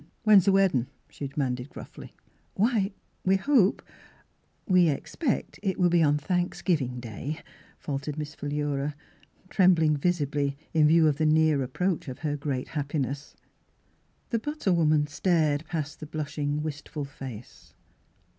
" When's the weddin' .?" she demanded gruffly. " Why, we hope — we expect it will be on Thanksgiving Day," faltered Miss Phi lura, trembling visibly, in view of the near approach of her great happiness. The butter woman stared past the blushing, wistful face.